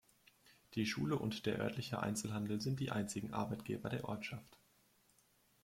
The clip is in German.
Die Schule und der örtliche Einzelhandel sind die einzigen Arbeitgeber der Ortschaft.